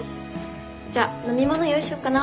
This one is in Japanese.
じゃあ飲み物用意しよっかなぁ。